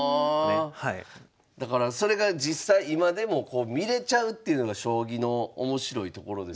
だからそれが実際今でも見れちゃうというのが将棋の面白いところですよね。